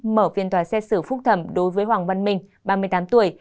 mở phiên tòa xét xử phúc thẩm đối với hoàng văn minh ba mươi tám tuổi